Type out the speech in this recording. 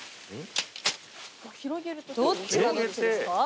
どっちがどっちですか？